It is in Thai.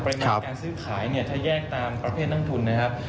ในการซื้อขายเนี่ยถ้าแยกตามประเภทนักทุนนะครับ